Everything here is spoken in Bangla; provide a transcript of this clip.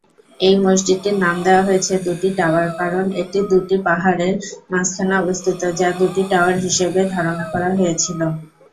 এই মসজিদটির নাম দেওয়া হয়েছে "দুটি টাওয়ার" কারণ এটি দুটি পাহাড়ের মাঝখানে অবস্থিত যা দুটি টাওয়ার হিসাবে ধারণা করা হয়েছিল।